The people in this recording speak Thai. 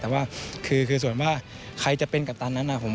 แต่ว่าคือส่วนมากใครจะเป็นกัปตันนั้นนะครับผม